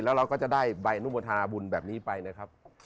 แล้วเราก็จะได้ใบอนุโมทนาบุญแบบนี้ไปนะครับ